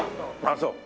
ああそう。